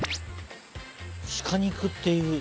鹿肉っていう。